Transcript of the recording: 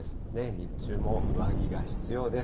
日中も上着が必要です。